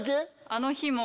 あの日も。